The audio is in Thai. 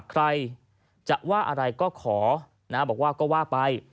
ใครจะว่าอะไรก็ขอนะบอกว่าก็ว่าไป